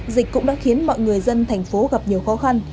dịch cũng đã khiến mọi người dân thành phố gặp nhiều khó khăn